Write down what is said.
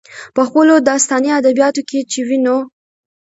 په خپلو داستاني ادبياتو کې چې وينو،